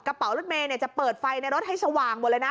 กระเป๋ารถเมย์จะเปิดไฟในรถให้สว่างหมดเลยนะ